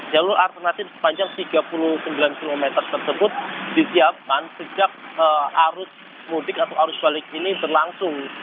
jalur alternatif sepanjang tiga puluh sembilan km tersebut disiapkan sejak arus mudik atau arus balik ini berlangsung